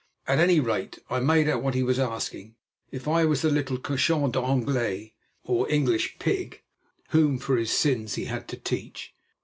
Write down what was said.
At any rate, I made out that he was asking if I was the little cochon d'anglais, or English pig, whom for his sins he had to teach.